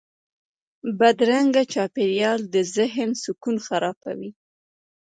بدرنګه چاپېریال د ذهن سکون خرابوي